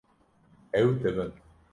Ew dibin.